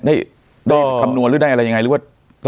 ได้คำนวณหรือได้อะไรยังไงหรือว่า